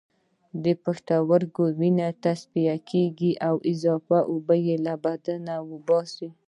پښتورګي وینه تصفیه کوي او اضافی اوبه له بدن باسي